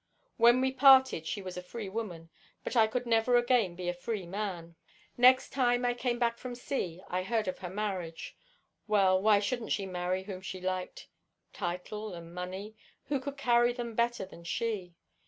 When we parted she was a free woman, but I could never again be a free man. "Next time I came back from sea I heard of her marriage. Well, why shouldn't she marry whom she liked? Title and money—who could carry them better than she?